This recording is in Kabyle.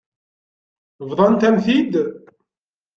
Bḍant-am-t-id.